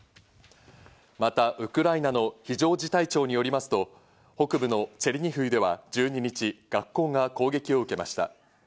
またウクライナの非常事態庁によりますと、北部のチェルニヒウでは１２日、学校が攻撃を受けました。